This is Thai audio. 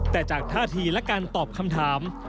แต่จากท่าทีและการตอบคำถาม